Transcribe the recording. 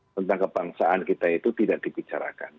tentang kebangsaan kita itu tidak dibicarakan